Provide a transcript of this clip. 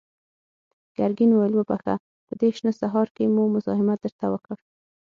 ګرګين وويل: وبخښه، په دې شنه سهار کې مو مزاحمت درته وکړ.